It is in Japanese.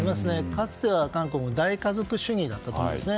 かつては韓国は大家族主義だったと思うんですね。